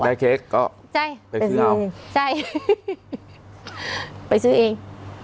เค้กก็ใช่ไปซื้อเอาใช่ไปซื้อเอง